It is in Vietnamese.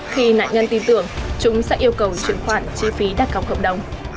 khi nạn nhân tin tưởng chúng sẽ yêu cầu chuyển khoản chi phí đặt góc cộng đồng